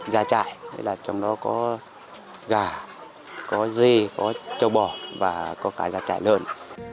gà trại trong đó có gà có dê có châu bò và có cái gà trại lợn